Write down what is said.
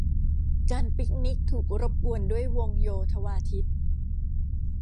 การปิคนิคถูกรบกวนด้วยวงโยธวาทิตย์